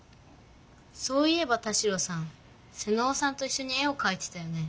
そういえば田代さん妹尾さんといっしょに絵をかいてたよね？